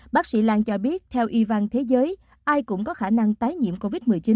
bác sĩ lan cho biết theo y văn thế giới ai cũng có khả năng tái nhiễm covid một mươi chín